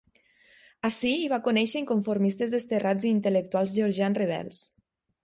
Ací hi va conéixer inconformistes desterrats i intel·lectuals georgians rebels.